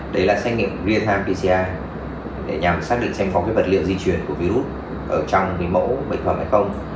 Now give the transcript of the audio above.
đấy là xét nghiệm real time pcr để nhằm xác định xem có vật liệu di truyền của virus ở trong mẫu bệnh phẩm hay không